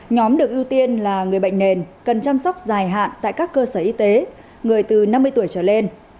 nhóm được ưu tiên là người bệnh nền cần chăm sóc dài hạn tại các cơ sở y tế người từ năm mươi tuổi trở lên